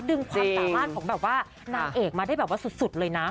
ดึงความสามารถของแบบว่านางเอกมาได้แบบว่าสุดเลยนะ